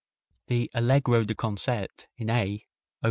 The Allegro de Concert in A, op.